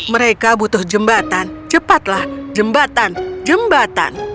mereka butuh jembatan cepatlah jembatan jembatan